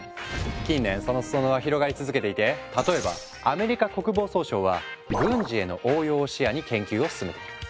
近年その裾野は広がり続けていて例えばアメリカ国防総省は軍事への応用を視野に研究を進めている。